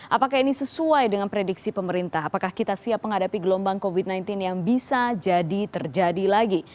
apakah ini sesuai dengan prediksi pemerintah apakah kita siap menghadapi gelombang covid sembilan belas yang bisa jadi terjadi lagi